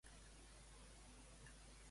Quant de temps hi va estar vivint Sale?